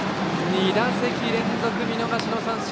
２打席連続の見逃し三振。